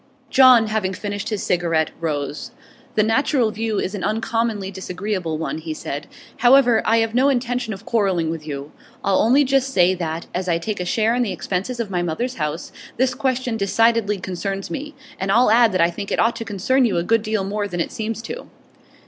John, having finished his cigarette, rose. 'The natural view is an uncommonly disagreeable one,' he said. 'However, I have no intention of quarrelling with you. I'll only just say that, as I take a share in the expenses of my mother's house, this question decidedly concerns me; and I'll add that I think it ought to concern you a good deal more than it seems to.